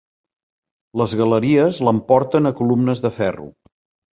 Les galeries l'emporten a columnes de ferro.